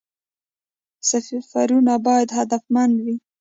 سفرونه باید هدفمند وي